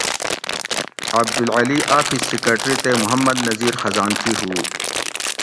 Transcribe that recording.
عبدالعلی آفس سیکرٹری تے محمد نذیر خزانچی ہُو